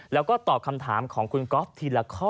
แล้วก็ตอบคำถามของคุณก๊อฟทีละข้อ